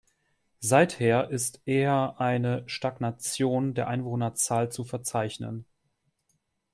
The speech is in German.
Seither ist eher eine Stagnation der Einwohnerzahl zu verzeichnen.